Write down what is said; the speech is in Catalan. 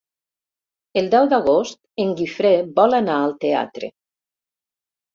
El deu d'agost en Guifré vol anar al teatre.